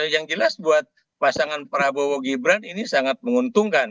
yang jelas buat pasangan prabowo gibran ini sangat menguntungkan